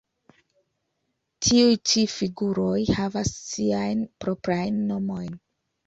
Tiuj ĉi figuroj havas siajn proprajn nomojn.